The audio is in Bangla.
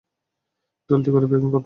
জলদি করো, প্যাকিং করতে হবে।